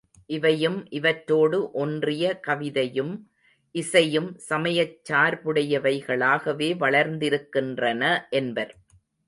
இவையும், இவற்றோடு ஒன்றிய கவிதையும் இசையும் சமயச் சார்புடையவைகளாகவே வளர்ந்திருக்கின்றன என்பர்.